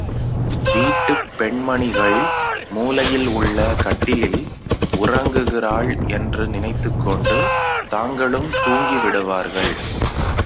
வீட்டுப் பெண்மணிகள் மூலையில் உள்ள கட்டிலில் உறங்குகிறாள் என்று நினைத்துக் கொண்டு தாங்களும் தூங்கி விடுவார்கள்.